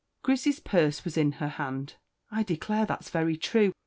'" Grizzy's purse was in her hand. "I declare that's very true.